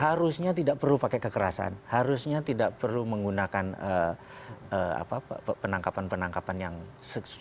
harusnya tidak perlu pakai kekerasan harusnya tidak perlu menggunakan penangkapan penangkapan yang